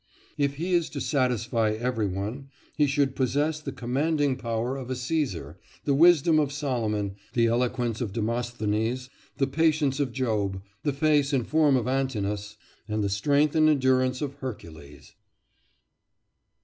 If he is to satisfy every one, he should possess the commanding power of a Caesar, the wisdom of Solomon, the eloquence of Demosthenes, the patience of Job, the face and form of Antinous, and the strength and endurance of Hercules.